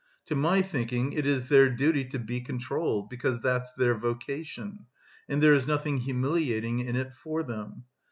To my thinking it is their duty to be controlled, because that's their vocation, and there is nothing humiliating in it for them.